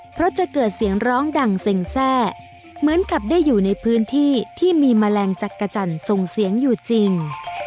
เพราะจะเกิดเสียงร้องดังเซ็งแทร่เหมือนกับได้อยู่ในพื้นที่ที่มีแมลงจักรจันทร์ส่งเสียงอยู่จริง